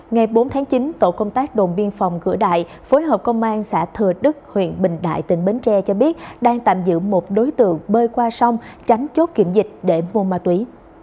ngày bốn tháng chín tổ công tác đồn biên phòng cửa đại phối hợp công an xã thừa đức huyện bình đại tỉnh bến tre cho biết đang tạm giữ một đối tượng bơi qua sông tránh chốt kiểm dịch để mua ma túy